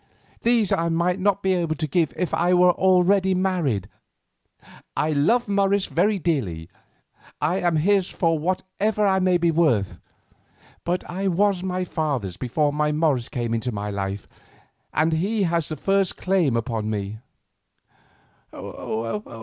These I might not be able to give if I were already married. I love Morris very dearly. I am his for whatever I may be worth; but I was my father's before Morris came into my life, and he has the first claim upon me."